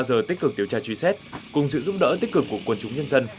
sau ba giờ tích cực tiểu tra truy xét cùng sự giúp đỡ tích cực của quân chúng nhân dân